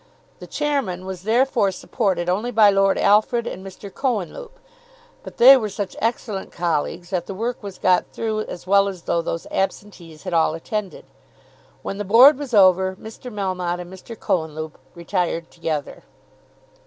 The chairman was therefore supported only by Lord Alfred and Mr. Cohenlupe. But they were such excellent colleagues that the work was got through as well as though those absentees had all attended. When the Board was over Mr. Melmotte and Mr. Cohenlupe retired together.